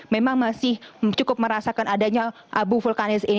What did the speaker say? memang masih cukup merasakan adanya abu vulkanis ini